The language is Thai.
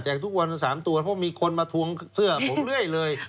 ทุกวัน๓ตัวเพราะมีคนมาทวงเสื้อผมเรื่อยเลย